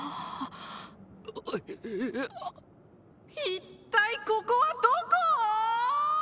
一体ここはどこ？